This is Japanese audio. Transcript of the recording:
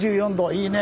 いいね！